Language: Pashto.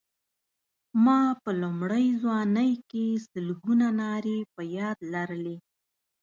ما په لومړۍ ځوانۍ کې سلګونه نارې په یاد لرلې.